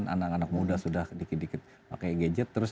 anak anak muda sudah sedikit sedikit pakai gadget